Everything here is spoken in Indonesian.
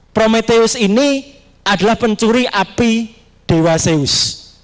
prometheus ini adalah pencuri api dewa zeus